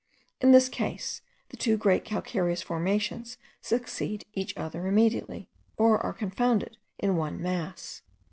In this case the two great calcareous formations succeed each other immediately, or are confounded in one mass.